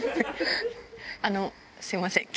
あのすみません。